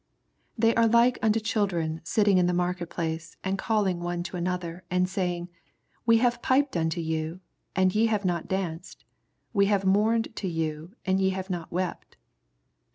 82 Thev are like unto children Bit ting in the marketplaoe, and calling one to another, and saying, We have Siped unto von, and ye have not anced ; we have moarned to yon, «mdye have not wept.